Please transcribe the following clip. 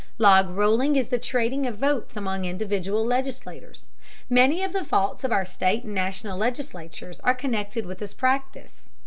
Log rolling is the trading of votes among individual legislators. Many of the faults of our state and National legislatures are connected with this practice.